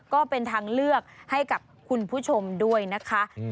ก็เป็นทางเลือกให้กับคุณผู้ชมด้วยนะคะ